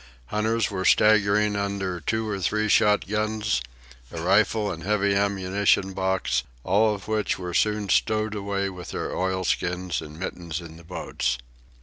Hunters were staggering under two or three shotguns, a rifle and heavy ammunition box, all of which were soon stowed away with their oilskins and mittens in the boats.